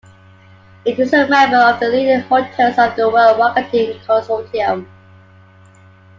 It is a member of the "Leading Hotels of the World" marketing consortium.